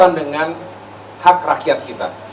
yang langsung berkaitan dengan hak rakyat kita